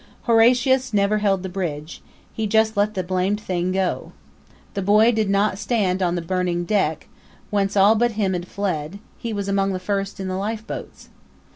Horatius never held the bridge; he just let the blamed thing go. The boy did not stand on the burning deck, whence all but him had fled; he was among the first in the lifeboats.